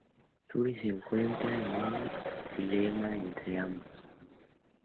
Suri se encuentra en un dilema entre ambos.